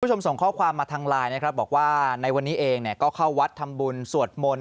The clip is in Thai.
ผู้ชมส่งข้อความมาทางไลน์นะครับบอกว่าในวันนี้เองก็เข้าวัดธรรมบุญสวดมนตร์